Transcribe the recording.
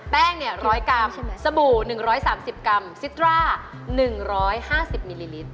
แป้งเนี่ย๑๐๐กรัมสบู่๑๓๐กรัมซิตร้า๑๕๐มิลลิลิตร